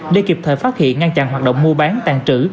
để kịp thời phát hiện ngăn chặn hoạt động mua bán tàn trữ